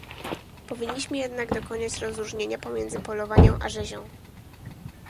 Powinniśmy jednak dokonać rozróżnienia pomiędzy polowaniem a rzezią